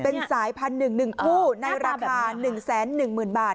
เป็นสายพันธุ์หนึ่งหนึ่งคู่ในราคา๑แสนหนึ่งหมื่นบาท